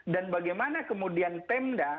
dan bagaimana kemudian pemda